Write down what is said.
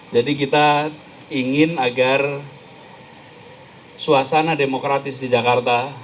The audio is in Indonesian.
jadi kita ingin agar suasana demokratis di jakarta